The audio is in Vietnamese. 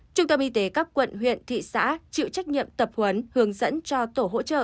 trung tâm y tế các quận huyện thị xã chịu trách nhiệm tập huấn hướng dẫn cho tổ hỗ trợ